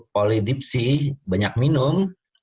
polidipsi banyak minum